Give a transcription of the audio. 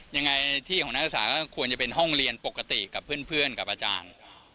ยังไงที่ของนักศึกษาก็ควรจะเป็นห้องเรียนปกติกับเพื่อนกับอาจารย์